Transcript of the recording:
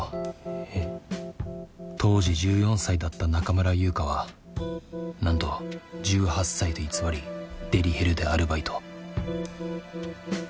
えっ？当時１４歳だった中村優香はなんと１８歳と偽りデリヘルでアルバイト。